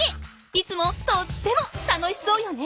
いつもとっても楽しそうよね！